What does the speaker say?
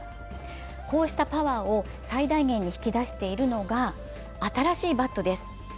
こうしたパワーを最大限に引き出しているのが新しいバットです。